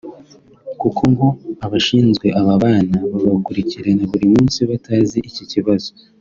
kuko ngo abashinzwe aba bana babakurikirana buri munsi batazi iki kibazo